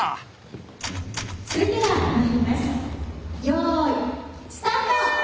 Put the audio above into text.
よいスタート！